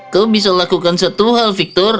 kau bisa lakukan satu hal victor